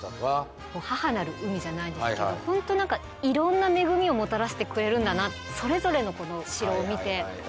母なる海じゃないですけど本当になんかいろんな恵みをもたらしてくれるんだなってそれぞれのこの城を見て思いましたね。